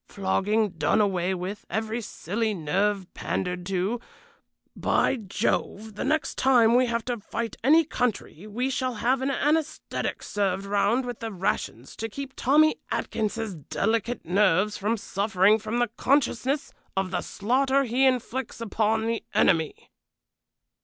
Flogging done away with; every silly nerve pandered to. By Jove! the next time we have to fight any country we shall have an anæsthetic served round with the rations to keep Tommy Atkins's delicate nerves from suffering from the consciousness of the slaughter he inflicts upon the enemy."